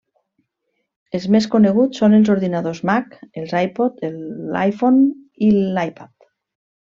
Els més coneguts són els ordinadors Mac, els iPod, l'iPhone i l'iPad.